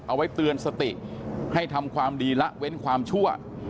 เอาไว้เตือนสติให้ทำความดีละเว้นความชั่ว